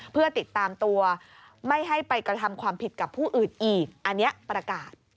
เพื่อติดตามตัวไม่ให้ไปกระทำความผิดกับผู้อืดอีก